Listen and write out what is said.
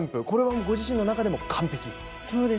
これはご自身の中でも完璧？